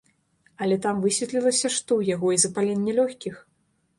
Але там высветлілася, што ў яго і запаленне лёгкіх!